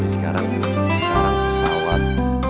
sekarang ini sekarang pesawat